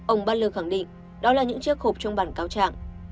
ông badler khẳng định đó là những chiếc hộp trong bản cáo trạng